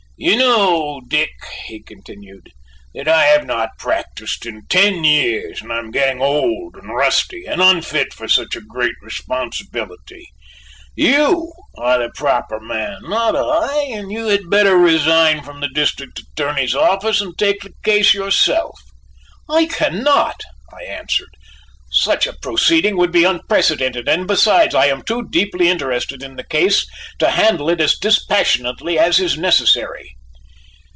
"You know, Dick," he continued, "that I have not practised in ten years, and I am getting old and rusty, and unfit for such a great responsibility: you are the proper man, not I, and you had better resign from the District Attorney's office and take the case yourself." "I cannot," I answered. "Such a proceeding would be unprecedented, and besides I am too deeply interested in the case to handle it as dispassionately as is necessary."